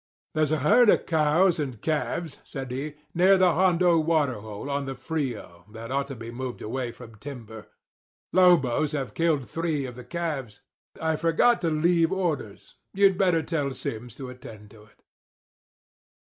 "There's a herd of cows and calves," said he, "near the Hondo water hole on the Frio that ought to be moved away from timber. Lobos have killed three of the calves. I forgot to leave orders. You'd better tell Simms to attend to it."